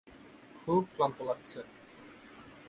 খুব ক্লান্ত লাগছে।